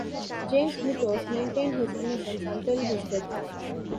James Mitose maintained his innocence until his death.